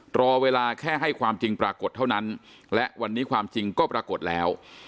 รอเวลาแค่ให้ความจริงปรากฏเท่านั้นและวันนี้ความจริงก็ปรากฏแล้ว